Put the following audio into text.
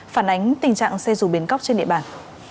phản ánh tình trạng xe rù bến cóc trên địa bàn